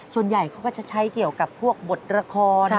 ส่วนใหญ่เขาก็จะใช้เกี่ยวกับพวกบทละคร